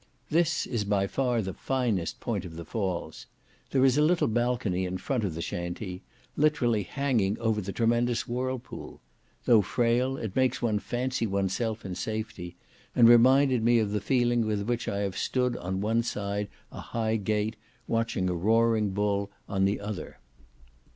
This is by far the finest point of the falls. There is a little balcony in front of the Shantee, literally hanging over the tremendous whirlpool; though frail, it makes one fancy oneself in safety, and reminded me of the feeling with which I have stood on one side a high gate, watching a roaring bull on the other.